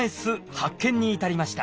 発見に至りました。